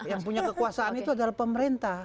yang punya kekuasaan itu adalah pemerintah